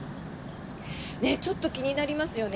ちょっと気になりますよね。